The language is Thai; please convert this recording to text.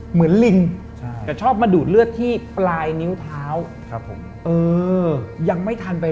เหมือนลิง